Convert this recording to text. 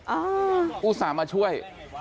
อ้าวอุตส่าห์มาช่วย